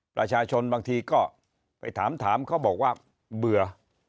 ประชาชนบางทีก็ไปถามเขาบอกว่าเบื่อ